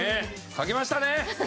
書きましたね？